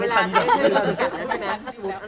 เวลาใช้เกินกันแล้วใช่ไหม